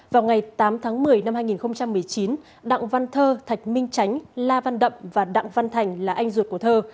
vào ngày tám tháng một mươi năm hai nghìn một mươi chín đặng văn thơ thạch minh tránh la văn đậm và đặng văn thành là anh ruột của thơ